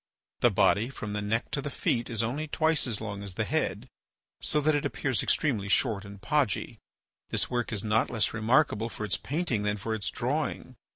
The body from the neck to the feet is only twice as long as the head, so that it appears extremely short and podgy. This work is not less remarkable for its painting than for its drawing.